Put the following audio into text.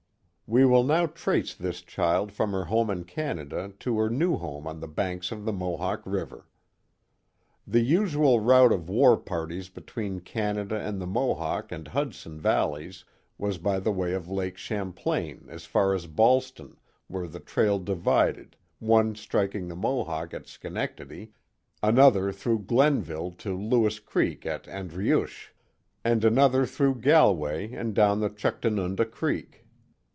We will now trace this child from her home in Canada to her new home on the banks of the Mohawk River. The usual route of war parties between Canada and the Mohawk and Hudson valleys was by the way of Lake Cham plain as far as Ballston, where the trail divided, one striking the Mohawk at Schenectady, another through Glenville to Lewis Creek at Adriuche, and another through Galway and down the Juchtanunda Creek.